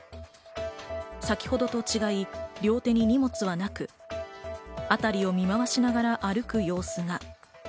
先ほどとは違い、両手に荷物はなく、辺りを見回しながら歩く様子が。